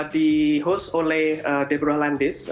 di host oleh deborah landis